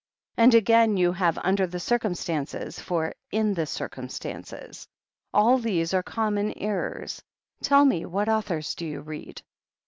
And again, you have 'under the cir cumstances' for 'in the circtmistances.' All these are common errors. Tell me, what authors do you read?"